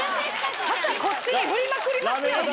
旗こっちに振りまくりますやん。